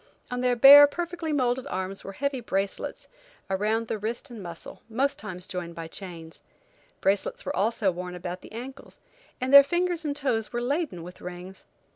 On their bare, perfectly modeled arms were heavy bracelets, around the wrist and muscle, most times joined by chains. Bracelets were also worn about the ankles, and their fingers and toes were laden with rings.